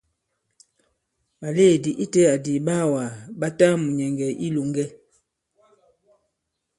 Ɓàlèedì itẽ adi ìɓaawàgà ɓa ta mùnyɛ̀ŋgɛ̀ i ilòŋgɛ.